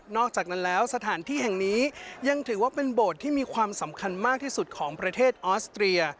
อกจากนั้นแล้วสถานที่แห่งนี้ยังถือว่าเป็นโบสถ์ที่มีความสำคัญมากที่สุดของประเทศออสเตรีย